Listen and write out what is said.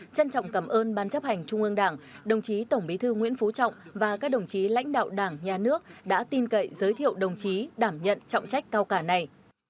trân trọng cảm ơn ban chấp hành trung ương đảng đồng chí tổng bí thư nguyễn phú trọng và các đồng chí lãnh đạo đảng nhà nước đã tin cậy giới thiệu đồng chí đảm nhận trọng trách cao cả này